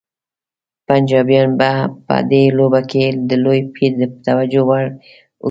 پنجابیان به په دې لوبه کې د لوی پیر د توجه وړ وګرځي.